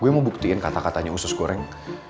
gue mau buktiin kata katanya usus goreng